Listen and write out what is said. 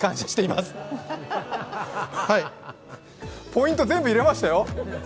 ポイント全部入れましたよ！